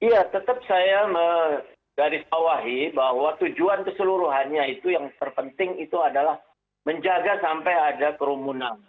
ya tetap saya menggarisbawahi bahwa tujuan keseluruhannya itu yang terpenting itu adalah menjaga sampai ada kerumunan